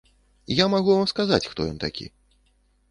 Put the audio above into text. Я магу вам сказаць, хто ён такі.